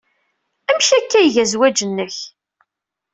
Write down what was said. Amek akka ay iga zzwaj-nnek?